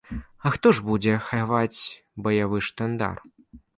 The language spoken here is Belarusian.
А хто ж будзе хаваць баявы штандар?